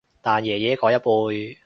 但爺爺嗰一輩